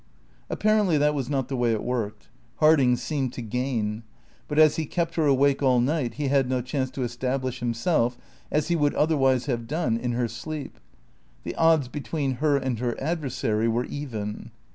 Apparently that was not the way it worked. Harding seemed to gain. But, as he kept her awake all night, he had no chance to establish himself, as he would otherwise have done, in her sleep. The odds between her and her adversary were even.